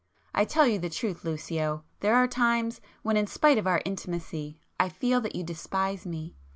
I tell you the truth, Lucio,—there are times, when in spite of our intimacy I feel that you despise me.